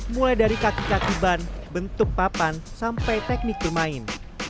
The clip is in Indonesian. mulai dari kaki kaki ban bentuk papan sampai teknik bermain